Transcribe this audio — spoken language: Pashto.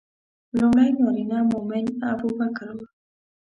لومړی نارینه مؤمن ابوبکر و.